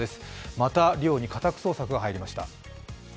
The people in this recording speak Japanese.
また寮に家宅捜索が入りました。